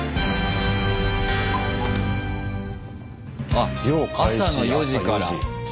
あっ朝の４時から。